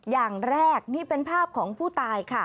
อย่างแรกนี่เป็นภาพของผู้ตายค่ะ